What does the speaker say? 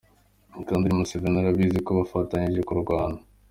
Kandi na Museveni arabizi ko bafatanyije kurwana.”